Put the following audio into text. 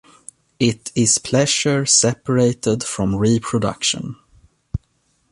It is pleasure separated from reproduction.